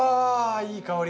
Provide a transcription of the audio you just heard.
いい香り。